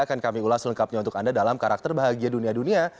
akan kami ulas lengkapnya untuk anda dalam karakter bahagia dunia dunia